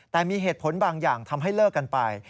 แต่มีเหตุผลบางอย่างทำให้เลิกกันไป